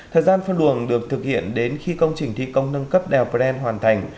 thời gian phân luồng được thực hiện đến khi công trình thi công nâng cấp đèo pren hoàn thành